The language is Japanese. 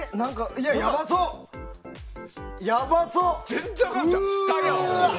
全然あかんちゃう？